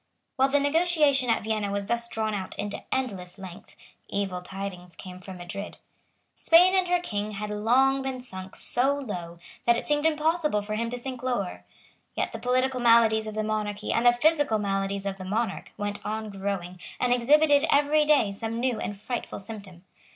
While the negotiation at Vienna was thus drawn out into endless length, evil tidings came from Madrid. Spain and her King had long been sunk so low that it seemed impossible for him to sink lower. Yet the political maladies of the monarchy and the physical maladies of the monarch went on growing, and exhibited every day some new and frightful symptom.